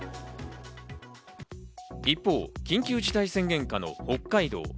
一方、緊急事態宣言下の北海道。